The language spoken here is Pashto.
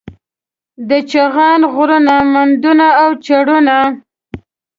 د چغان غرونه، مندونه او چړونه